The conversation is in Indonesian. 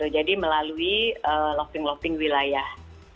jadi melalui lofting lofting wilayah